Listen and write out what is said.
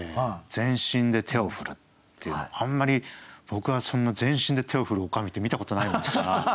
「全身で手を振る」っていうのあんまり僕はそんな「全身で手を振る女将」って見たことないもんですから。